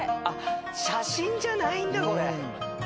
写真じゃないんだこれ。